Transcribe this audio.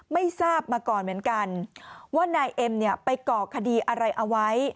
ไม่ทราบมาก่อนเหมือนกันว่านายเอ็มเนี่ยไปก่อคดีอะไรเอาไว้